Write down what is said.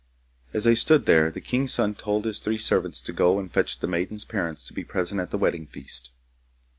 As they stood there the king's son told his three servants to go and fetch the maiden's parents to be present at the wedding feast.